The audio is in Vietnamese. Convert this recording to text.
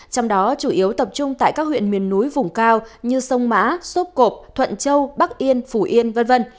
trong đó chủ yếu tập trung tại các huyện miền núi vùng cao như sông mã sốt cộp thuận châu bắc yên phủ yên v v